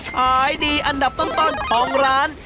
ขายดีอันดับต้นของร้าน